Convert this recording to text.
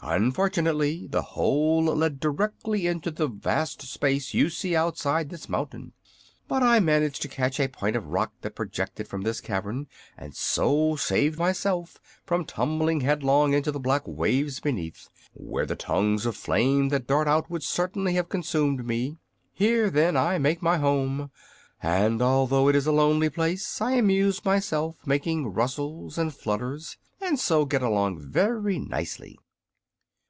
Unfortunately, the hole led directly into the vast space you see outside this mountain; but I managed to catch a point of rock that projected from this cavern, and so saved myself from tumbling headlong into the black waves beneath, where the tongues of flame that dart out would certainly have consumed me. Here, then, I made my home; and although it is a lonely place I amuse myself making rustles and flutters, and so get along very nicely."